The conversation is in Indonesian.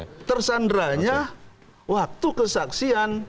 nah tersandranya waktu kesaksian